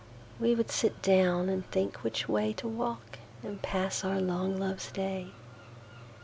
We would sit down, and think which wayTo walk, and pass our long Loves Day.